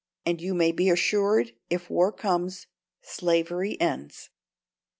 And you may be assured, if war comes, slavery ends."